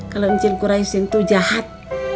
kalau mancin kuraisin itu jahat